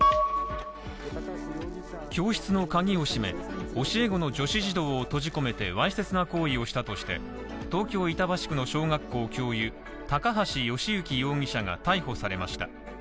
教室の鍵を閉め、教え子の女子児童を閉じ込めてわいせつな行為をしたとして東京・板橋区の小学校教諭高橋慶行容疑者が逮捕されました。